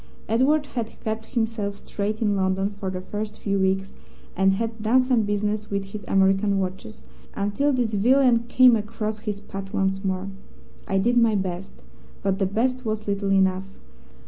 Edward had kept himself straight in London for the first few weeks, and had done some business with his American watches, until this villain came across his path once more. I did my best, but the best was little enough.